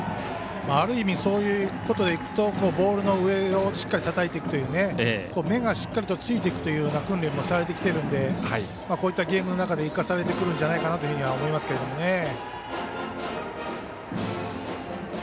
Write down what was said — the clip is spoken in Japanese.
ある意味そういうことでいうとボールの上をしっかりたたいていくという目がしっかりとついていくという訓練もされてきているのでこういったゲームの中で生かされてくるんじゃないかなとは思いますけどね。